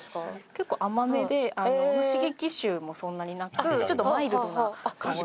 結構甘めで刺激臭もそんなになくちょっとマイルドな香り。